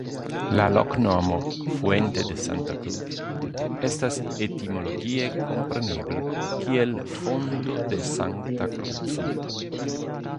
La loknomo "Fuente de Santa Cruz" estas etimologie komprenebla kiel Fonto de Sankta Kruco.